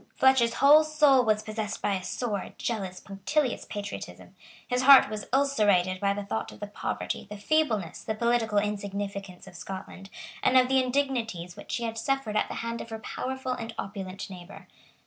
Fletcher's whole soul was possessed by a sore, jealous, punctilious patriotism. His heart was ulcerated by the thought of the poverty, the feebleness, the political insignificance of Scotland, and of the indignities which she had suffered at the hand of her powerful and opulent neighbour.